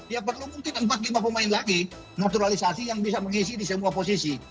ya perlu mungkin empat lima pemain lagi naturalisasi yang bisa mengisi di semua posisi